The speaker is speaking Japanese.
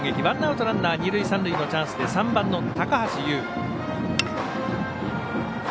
ワンアウトランナー、二塁三塁のチャンスで３番の高橋友。